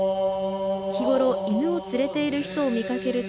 日ごろ犬を連れている人を見かけると